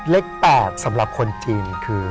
เลข๘สำหรับคนจีนคือ